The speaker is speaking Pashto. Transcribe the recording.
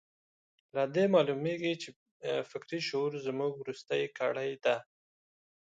له دې معلومېږي چې فکري شعور زموږ وروستۍ کړۍ ده.